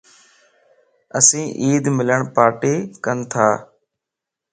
اسين عيد ملڻ پارٽي ڪنتا